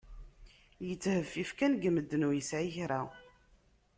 Yettheffif kan deg medden, ur yesɛi kra.